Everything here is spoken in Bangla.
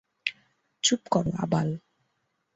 চুপ কর, আবাল।